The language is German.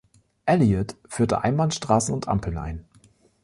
Elliott führte Einbahnstraßen und Ampeln ein.